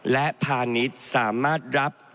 และผ่านิศสามารถรับ